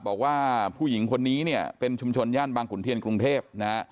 บอกว่าผู้หญิงคนนี้เนี่ยเป็นชุมชนย่านบางขุนเทียนกรุงเทพนะฮะ